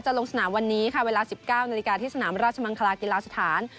ลงสนามวันนี้ค่ะเวลา๑๙นาฬิกาที่สนามราชมังคลากีฬาสถาน